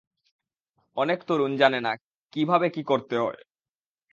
অনেক তরুণ জানে না কীভাবে কী করতে হয়।